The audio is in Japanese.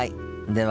では。